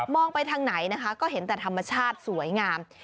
ไปทางไหนนะคะก็เห็นแต่ธรรมชาติสวยงาม